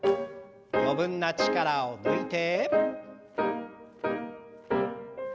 余分な力を抜いて。